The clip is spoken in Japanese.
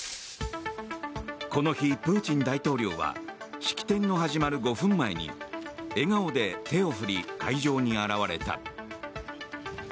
この日、プーチン大統領は式典の始まる５分前に笑顔で手を振り、会場に現れた。